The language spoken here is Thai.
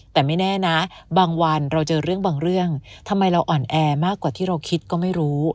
แต่ไม่แน่นะบางวันเราเจอเรื่องบางเรื่องทำไมเราอ่อนแอมากกว่าที่เราคิดก็ไม่รู้